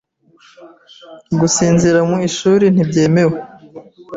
Gusinzira mu ishuri ntibyemewe .